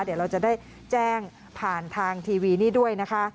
เดี๋ยวเราจะได้แจ้งผ่านทางทีวีนี่ด้วยนะคะ